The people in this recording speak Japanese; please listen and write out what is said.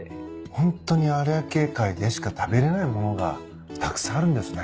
ホントに有明海でしか食べれない物がたくさんあるんですね。